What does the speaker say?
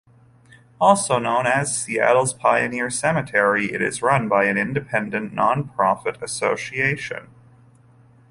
Also known as "Seattle's Pioneer Cemetery," it is run by an independent, non-profit association.